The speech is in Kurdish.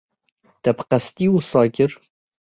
Te bi qesdî wisa kir?